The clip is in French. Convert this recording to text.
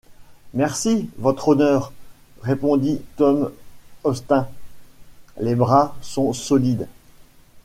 Merci, Votre Honneur, répondit Tom Austin, les bras sont solides.